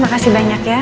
makasih banyak ya